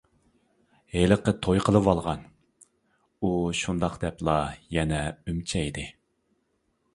ھېلىقى توي قىلىۋالغان. ئۇ شۇنداق دەپلا يەنە ئۈمچەيدى.